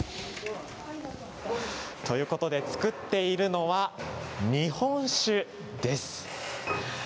ということで、造っているのは日本酒です。